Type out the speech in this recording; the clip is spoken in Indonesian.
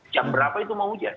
jam berapa itu mau hujan